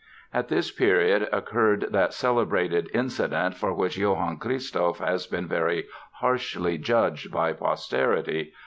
At this period occurred that celebrated incident for which Johann Christoph has been very harshly judged by posterity.